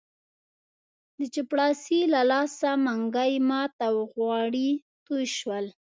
د چپړاسي له لاسه منګی مات او غوړي توی شول.